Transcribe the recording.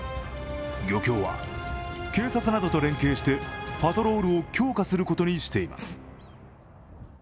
漁協は警察などと連携してパトロールを強化することにしています。